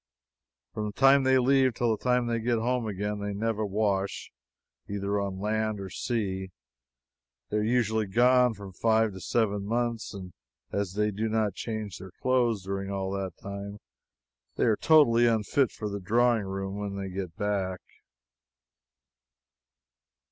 From the time they leave till they get home again, they never wash, either on land or sea. They are usually gone from five to seven months, and as they do not change their clothes during all that time, they are totally unfit for the drawing room when they get back.